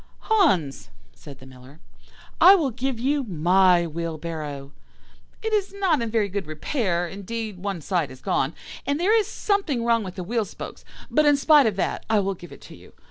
"'Hans,' said the Miller, 'I will give you my wheelbarrow. It is not in very good repair; indeed, one side is gone, and there is something wrong with the wheel spokes; but in spite of that I will give it to you.